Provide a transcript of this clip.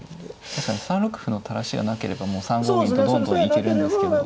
確かに３六歩の垂らしがなければもう３五銀とどんどん行けるんですけど。